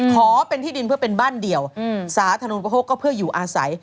ขอเป็นที่ดินเพื่อเป็นบ้านเดียวสาธารณูนประโฮกก็เพื่ออยู่อาศัย